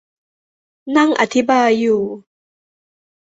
นั่งอธิบายอยู่